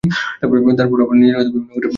তারা আবার নিজেরা বিভিন্ন গোত্রে বিভক্ত ছিল।